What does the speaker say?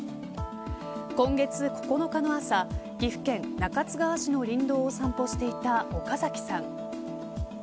今月９日の朝岐阜県中津川市の林道を散歩していた岡崎さん。